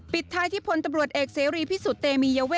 ปิดท้ายที่พลตำรวจเอกเสรีพิสุทธิ์เตมียเวท